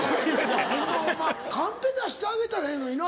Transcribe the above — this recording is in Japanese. ホンマホンマカンペ出してあげたらええのにな。